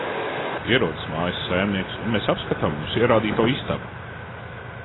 Ierodas mājas saimnieks, un mēs apskatām mums ierādīto istabu.